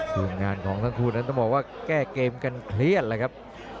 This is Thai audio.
ส่วนงานของทั้งคู่นั้นต้องบอกว่าแก้เกมกันเครียดเลยครับ